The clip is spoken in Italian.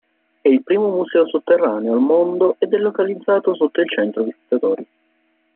È il primo museo sotterraneo al mondo ed è localizzato sotto il centro visitatori.